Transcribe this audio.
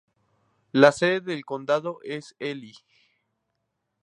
La sede del condado es Ely.